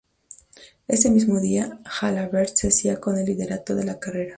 Ese mismo día, Jalabert se hacía con el liderato de la carrera.